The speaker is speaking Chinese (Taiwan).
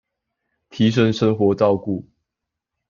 提升生活照顧